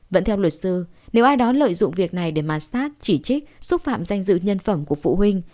vẫn theo luật sư nếu ai đó lợi dụng việc này để mà sát chỉ trích xúc phạm danh dự nhân phẩm của phụ huynh